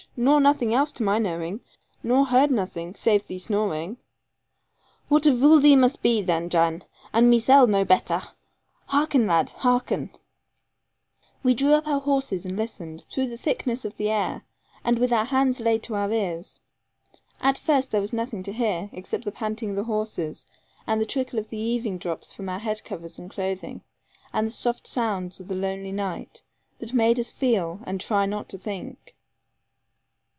Nor nothing else to my knowing; nor heard nothing, save thee snoring.' 'Watt a vule thee must be then, Jan; and me myzell no better. Harken, lad, harken!' We drew our horses up and listened, through the thickness of the air, and with our hands laid to our ears. At first there was nothing to hear, except the panting of the horses and the trickle of the eaving drops from our head covers and clothing, and the soft sounds of the lonely night, that make us feel, and try not to think.